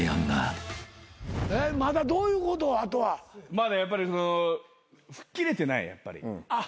まだやっぱりその吹っ切れてないやっぱり。